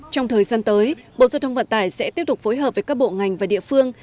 trong thời gian tới bộ giao thông vận tải sẽ tiếp tục phối hợp với các bộ ngành và địa phương